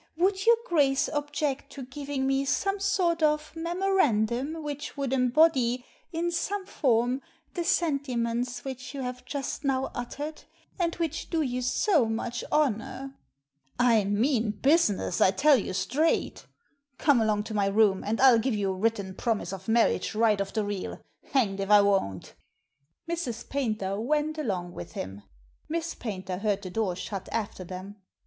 Would your Grace object to giving me some sort of memorandum which would embody, in some form, the sentiments which you have just now uttered, and which do you so much honour?" "^ I mean business, I tell you straight Come along to my room, and I'll give you a written promise of marriage right off the reel, hanged if I won't !" Digitized by VjOOQIC 3i6 THE SEEN AND THE UNSEEN Mrs. Paynter "went along" with him. Miss Paynter heard the door shut after them.